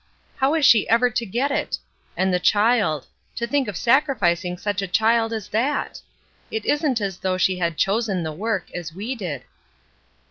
How is she ever to get it? And the child — to think of sacrificing such a child as that! It isn't as though she had chosen the work, as we did."